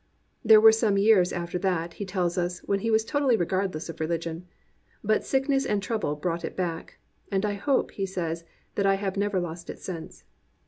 There were some years after that, he tells us, when he was totally regardless of religion. But sickness and trouble brought it back, "and I hope,'* says he, "that I have never lost it since."